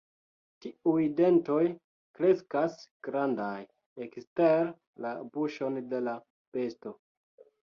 Tiuj dentoj kreskas grandaj, ekster la buŝon de la besto.